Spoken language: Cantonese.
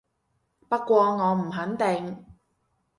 不過我唔肯定